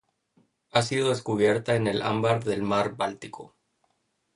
Ha sido descubierta en el ámbar del Mar Báltico.